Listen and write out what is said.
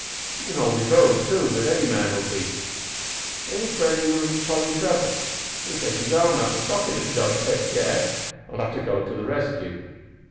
He can hold his own, too wi' man or beast. Ain't he friendly wi' little Tolly Trevor? He'll shake his arm out o' the socket if he don't take care. I'll have to go to the rescue."